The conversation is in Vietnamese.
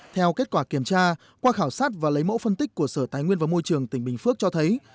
theo kết quả kiểm tra qua khảo sát và lấy mẫu phân tích của sở tài nguyên và môi trường tỉnh bình phước cho thấy